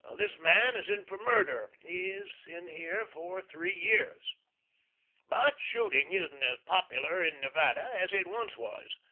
"This man is in for murder. He is here for three years." But shooting isn't as popular in Nevada as it once was.